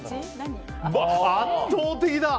圧倒的だ！